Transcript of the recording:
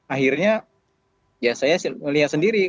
akhirnya ya saya melihat sendiri